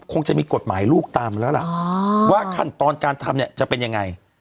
คงจะมีกฎหมายลูกตามมาแล้วล่ะว่าขั้นตอนการทำเนี่ยจะเป็นยังไง